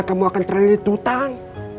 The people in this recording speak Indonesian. kamu akan terlalu ditutang